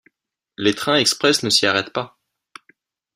Les trains express ne s'y arrêtent pas.